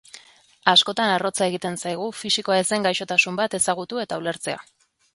Askotan arrotza egiten zaigu fisikoa ez den gaixotasun bat ezagutu eta ulertzea.